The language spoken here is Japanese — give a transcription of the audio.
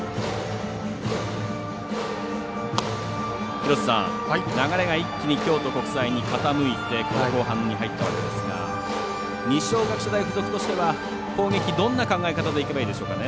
廣瀬さん、流れが一気に京都国際に傾いてこの後半に入ったわけですが二松学舎大付属としては、攻撃どんな考え方でいけばいいでしょうかね？